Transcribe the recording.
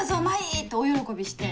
って大喜びして。